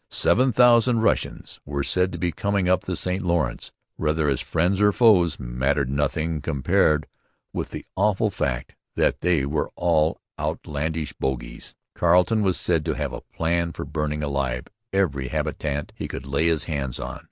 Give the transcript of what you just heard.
Seven thousand Russians were said to be coming up the St Lawrence whether as friends or foes mattered nothing compared with the awful fact that they were all outlandish bogeys. Carleton was said to have a plan for burning alive every habitant he could lay his hands on.